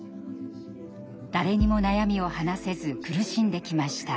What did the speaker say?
誰にも悩みを話せず苦しんできました。